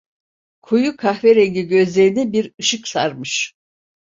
Koyu kahverengi gözlerini bir ışık sarmış.